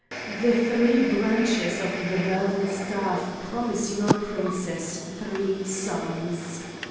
The three branches of the verdant staff promise your princess three sons.